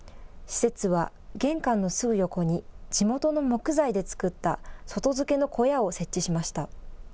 施設は、玄関のすぐ横に地元の木材で作った外付けの小屋を設置しました。